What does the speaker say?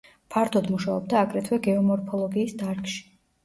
ფართოდ მუშაობდა აგრეთვე გეომორფოლოგიის დარგში.